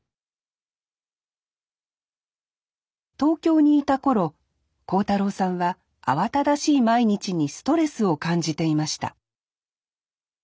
東京にいた頃幸太郎さんは慌ただしい毎日にストレスを感じていました